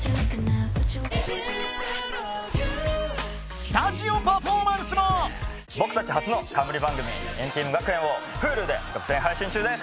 スタジオパフォーマンスも僕たち初の冠番組『＆ＴＥＡＭ学園』をＨｕｌｕで独占配信中です！